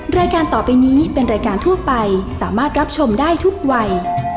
รายการต่อไปนี้เป็นรายการทั่วไปสามารถรับชมได้ทุกวัย